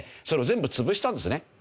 それを全部潰したんですね。